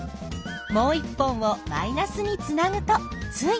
もう１本をマイナスにつなぐとついた。